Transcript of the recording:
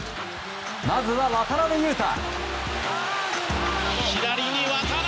まずは渡邊雄太。